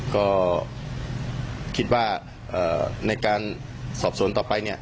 ก็คิดว่าในการสอบสวนต่อไป